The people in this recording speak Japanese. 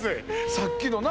さっきのな